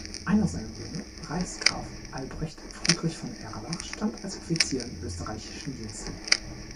Einer seiner Söhne, Reichsgraf Albrecht Friedrich von Erlach, stand als Offizier in österreichischen Diensten.